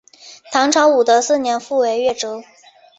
唐朝武德四年复为越州。